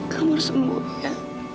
kamu harus sembuh ya